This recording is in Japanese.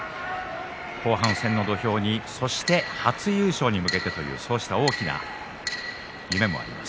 後半戦の土俵にそして初優勝に向けてという大きな夢もあります。